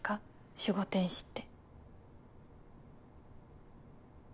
守護天使って。